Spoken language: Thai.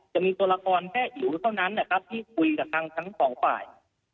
จะมีตัวละครแค่อิ๋วเท่านั้นนะครับที่คุยกับทางทั้งสองฝ่าย